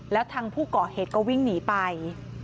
แล้วทางผู้ก่อเหตุก็วิ่งหนีไป